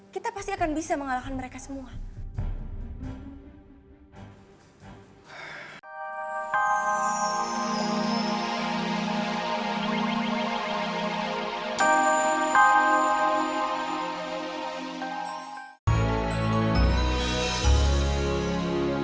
kita pasti akan bisa menunjukkan diri mereka di depan kita